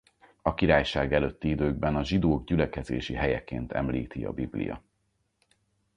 A királyság előtti időkben a zsidók gyülekezési helyeként említi a Biblia.